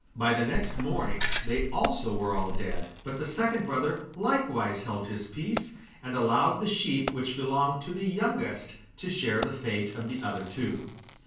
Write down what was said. By the next morning they also were all dead, but the second brother likewise held his peace, and allowed the sheep which belonged to the youngest to share the fate of the other two.